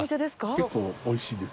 結構おいしいです。